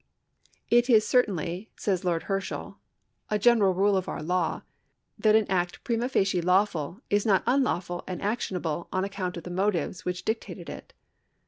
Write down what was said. " It is certainly," says Lord Herschell,i "a general rule of our law that an act jyrima facie lawful is not inilawful and actionable on account of the motives which dictated it."